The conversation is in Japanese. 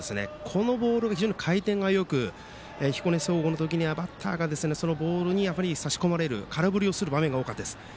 このボールが非常に回転がよく彦根総合の時はバッターがそのボールに差し込まれる空振りをする場面が多かったです。